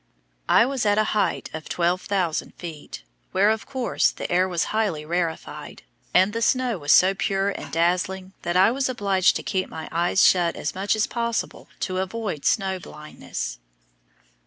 I was at a height of 12,000 feet, where, of course, the air was highly rarefied, and the snow was so pure and dazzling that I was obliged to keep my eyes shut as much as possible to avoid snow blindness.